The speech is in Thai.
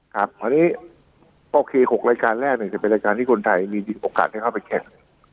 ครับคราวนี้โอเค๖รายการแรกจะเป็นรายการที่คนไทยมีโอกาสได้เข้าไปแข่ง